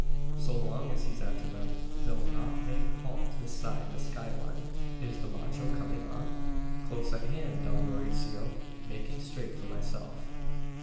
So long as he's after them, they'll not make halt this side the sky line. Is the macho coming on?" "Close at hand, Don Mauricio. Making straight for myself."